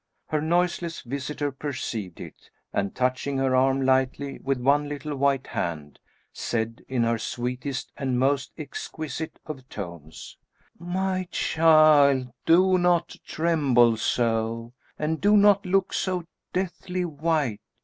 Her noiseless visitor perceived it, and touching her arm lightly with one little white hand, said in her sweetest and most exquisite of tones: "My child, do not tremble so, and do not look so deathly white.